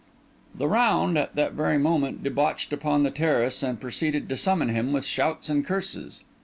The round, at that very moment, debouched upon the terrace and proceeded to summon him with shouts and curses.